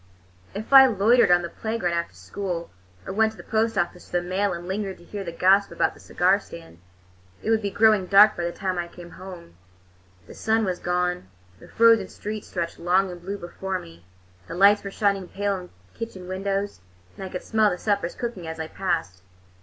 If I loitered on the playground after school, or went to the post office for the mail and lingered to hear the gossip about the cigar stand, it would be growing dark by the time I came home. The sun was gone; the frozen streets stretched long and blue before me; the lights were shining pale in kitchen windows, and I could smell the suppers cooking as I passed.